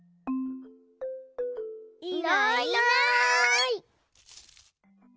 いないいない。